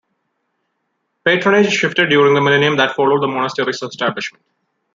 Patronage shifted during the millennium that followed the monastery's establishment.